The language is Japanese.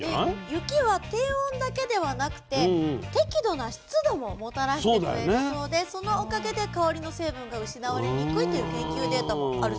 雪は低温だけではなくて適度な湿度ももたらしてくれるそうでそのおかげで香りの成分が失われにくいという研究データもあるそうです。